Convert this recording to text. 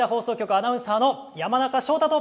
アナウンサーの山中翔太と。